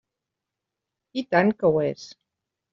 I tant que ho és!